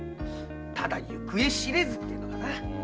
ただ行方知れずってのがな。